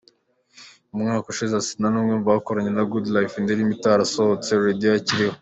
Mu mwaka ushize, Asinah ni umwe mu bakoranye na Goodlyfe indirimbo itarasohotse Radio akiriho.